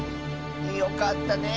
よかったね！